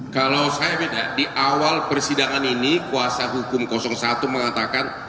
kalau saya beda di awal persidangan ini kuasa hukum satu mengatakan